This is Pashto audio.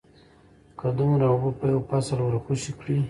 که دومره اوبه په یو فصل ورخوشې کړې